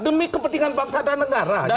demi kepentingan bangsa dan negara